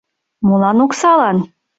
— Молан оксалан?!